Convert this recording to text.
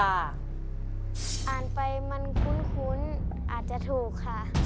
อ่านไปมันคุ้นอาจจะถูกค่ะ